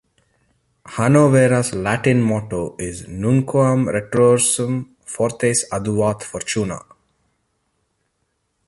Hannovera's Latin motto is Nunquam retrorsum, fortes adiuvat fortuna!